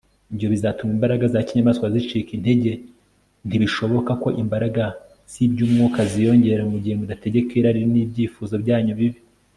ibyo bizatuma imbaraga za kinyamaswa zicika intege. ntibishoboka ko imbaraga z'iby'umwuka ziyongera mu gihe mudategeka irari n'ibyifuzo byanyu bibi